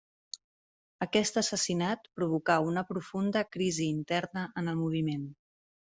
Aquest assassinat provocà una profunda crisi interna en el moviment.